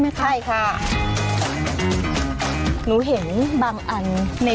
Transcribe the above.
เปี๊เจมา